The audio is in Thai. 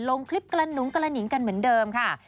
ลงคลิปกระหนุงกระหนิงกันเหมือนเดิมค่ะ